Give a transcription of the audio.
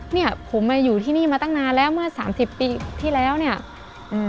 เนี้ยผมมาอยู่ที่นี่มาตั้งนานแล้วเมื่อสามสิบปีที่แล้วเนี้ยอืม